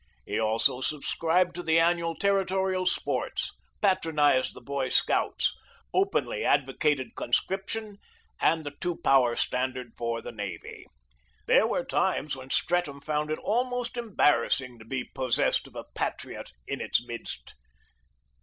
He always subscribed to the annual Territorial sports, patronised the boy scouts, openly advocated conscription, and the two power standard for the Navy. There were times when Streatham found it almost embarrassing to be possessed of a patriot in its midst.